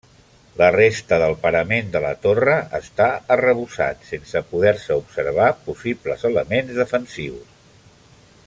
La resta del parament de la torre està arrebossat, sense poder-se observar possibles elements defensius.